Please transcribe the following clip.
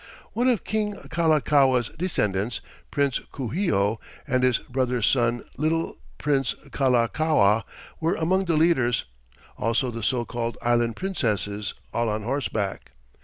One of King Kalakaua's descendants, Prince Kuhio, and his brother's son, little Prince Kalakaua, were among the leaders; also the so called Island Princesses, all on horseback.